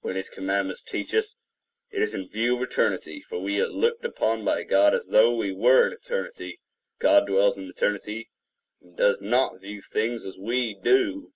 When his commandments teach us, it is in view of eternity; for we are looked upon by God as though we were in eternity. God dwells in eternity, and does not view things as we do.